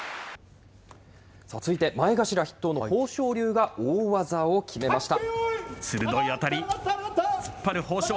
続いて前頭筆頭の豊昇龍が大技を決めました。